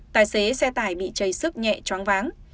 tài xế xe tài bị cháy sức nhẹ choáng váng